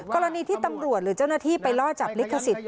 กรณีที่ตำรวจหรือเจ้าหน้าที่ไปล่อจับลิขสิทธิ